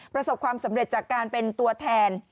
ประสบความสำเร็จจากการเป็นตัวแทน